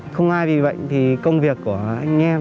không ai vì bệnh thì công việc của anh em